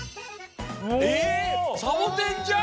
えっサボテンじゃん！